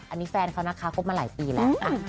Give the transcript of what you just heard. อันนี้แฟนเขานะคะคบมาหลายปีแล้ว